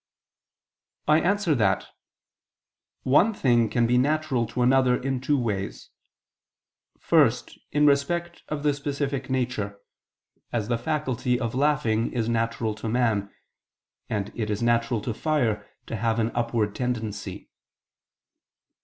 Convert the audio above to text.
I answer that, One thing can be natural to another in two ways. First in respect of the specific nature, as the faculty of laughing is natural to man, and it is natural to fire to have an upward tendency.